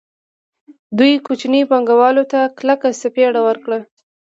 دوی کوچنیو پانګوالو ته کلکه څپېړه ورکړه